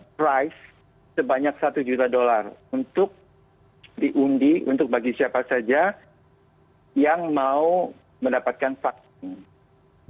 price sebanyak satu juta dolar untuk diundi untuk bagi siapa saja yang mau mendapatkan vaksin